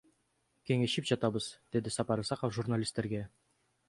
Кеңешип жатабыз, — деди Сапар Исаков журналисттерге.